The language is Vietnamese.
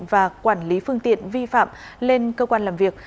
và quản lý phương tiện vi phạm lên cơ quan làm việc